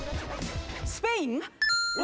スペイン？